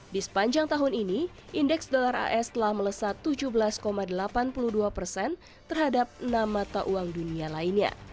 di sepanjang tahun ini indeks dolar as telah melesat tujuh belas delapan puluh dua persen terhadap enam mata uang dunia lainnya